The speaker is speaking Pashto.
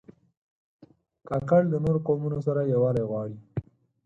کاکړ د نورو قومونو سره یووالی غواړي.